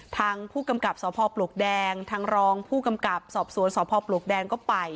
ทางผู้กำกับสพปลวกแดงทางรองผู้กำกับสอบสวนสพปลวกแดงก็ไป